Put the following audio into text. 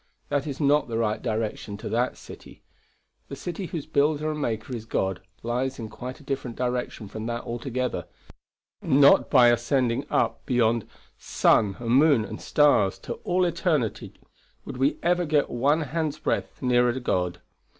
That is not the right direction to that city. The city whose builder and maker is God lies in quite a different direction from that altogether; not by ascending up beyond sun and moon and stars to all eternity would we ever get one hand's breadth nearer God.